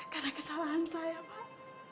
karena kesalahan saya pak